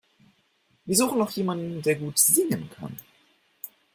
Wir suchen noch jemanden, der gut singen kann.